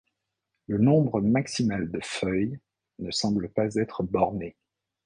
Le nombre maximal de feuilles ne semble pas être borné.